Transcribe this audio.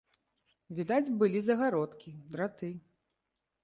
Відаць былі загародкі, драты.